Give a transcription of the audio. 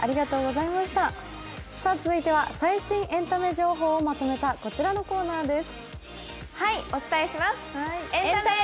続いては最新エンタメ情報をまとめたこちらのコーナーです。